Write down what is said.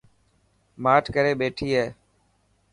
ماٺ ڪري ٻيٺي هي.